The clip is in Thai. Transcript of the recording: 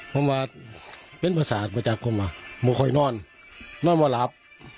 พ่อมาเป็นภาษาประจักษ์พ่อมามาคอยนอนนอนมาหลับ